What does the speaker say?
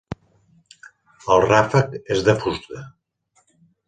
El ràfec és de fusta.